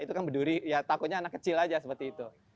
takutnya anak kecil aja seperti itu